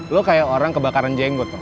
lo kayak orang kebakaran jenggot